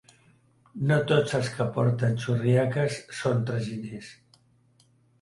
No tots els que porten xurriaques són traginers.